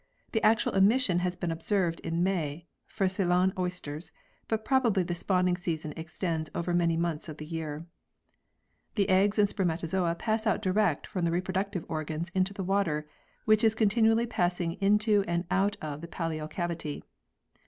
The actual emission has been observed in May for Ceylon oysters, but probably the spawning season extends over many months of the year. The eggs and spermatozoa pass out direct from the reproductive organs into the water, which is con tinually passing into and out of the pallial cavity.